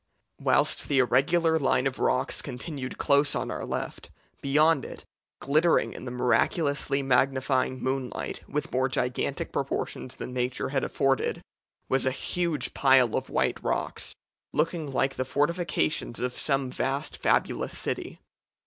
"Whilst the irregular line of rocks continued close on our left, beyond it glittering in the miraculously magnifying moonlight with more gigantic proportions than nature had afforded was a huge pile of white rocks, looking like the fortifications of some vast fabulous city.